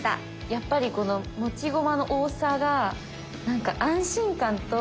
やっぱりこの持ち駒の多さが安心感と。